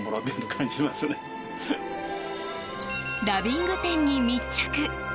ダビング店に密着。